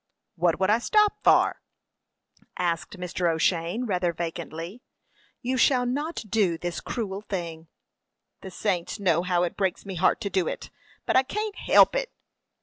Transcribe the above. "What would I stop for?" asked Mr. O'Shane, rather vacantly. "You shall not do this cruel thing." "The saints know how it breaks me heart to do it, but I can't help it."